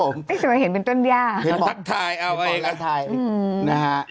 ไม่ใช่เห็นเป็นต้นย่าทักทายเอาไว้ครับ